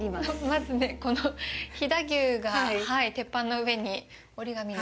まずね、この飛騨牛が鉄板の上に折り紙の。